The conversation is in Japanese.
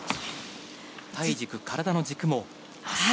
体軸、体の軸も。